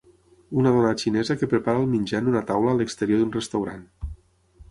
Una dona xinesa que prepara el menjar en una taula a l'exterior d'un restaurant.